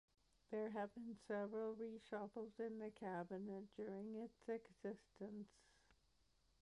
There have been several reshuffles in the cabinet during its existence.